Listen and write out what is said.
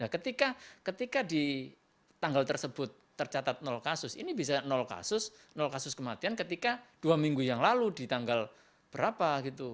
ketika di tanggal tersebut tercatat kasus ini bisa kasus kasus kematian ketika dua minggu yang lalu di tanggal berapa gitu